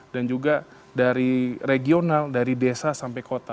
dan juga dari regional dari desa sampai kota